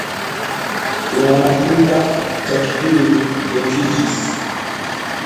Imanaqtintaq chakipiri rinkichis?